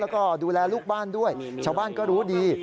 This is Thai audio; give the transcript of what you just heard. แล้วก็ดูแลลูกบ้านด้วยชาวบ้านก็รู้ดี